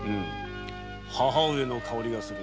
母上の香りがする。